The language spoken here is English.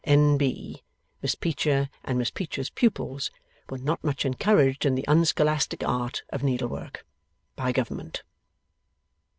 N.B. Miss Peecher and Miss Peecher's pupils were not much encouraged in the unscholastic art of needlework, by Government.